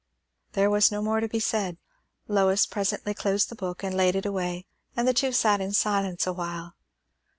There was no more said. Lois presently closed the book and laid it away, and the two sat in silence awhile.